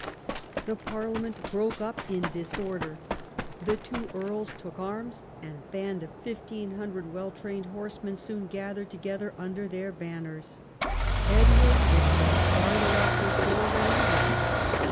The parliament broke up in disorder. The two earls took arms, and a band of fifteen hundred Avell trained horsemen soon gathered together under their banners. Edward was thus farther off his goal than ever.